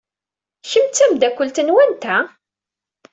Kemm d tameddakelt n wanta?